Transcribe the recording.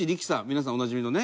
皆さんおなじみのね。